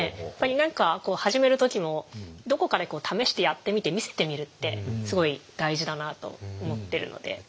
やっぱり何か始める時もどこかで試してやってみて見せてみるってすごい大事だなあと思ってるので。